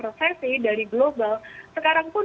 resesi dari global sekarang pun